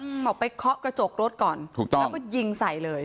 บอกไปเคาะกระจกรถก่อนถูกต้องแล้วก็ยิงใส่เลย